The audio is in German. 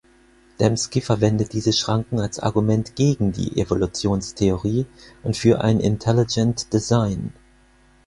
Dembski verwendet diese Schranken als Argument gegen die Evolutionstheorie und für ein Intelligent Design.